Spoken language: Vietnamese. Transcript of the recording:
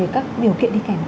các điều kiện đi kèm